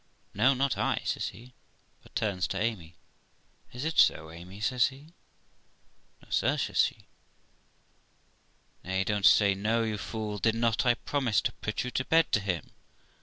'No, not I', says he; but turns to Amy, 'Is it so, Amy?' says he. 'No, sir', says she. 'Nay, don't say no, you fool; did not I pro mise to put you to bed to him?'